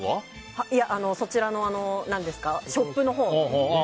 そちらのショップのほうに。